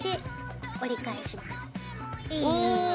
いいねいいね。